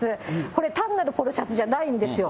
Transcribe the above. これ、単なるポロシャツじゃないんですよ。